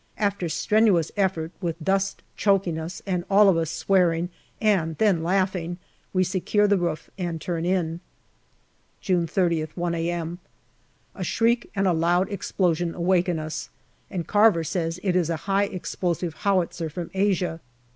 After strenuous effort, with dust choking us, and all of us swearing and then laughing, we secure the roof and turn in. June 3Qth, 1 a.m. A shriek and a loud explosion awaken us, and Carver says it is a high explosive howitzer from Asia.